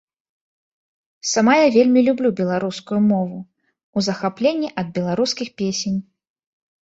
Сама я вельмі люблю беларускую мову, у захапленні ад беларускіх песень.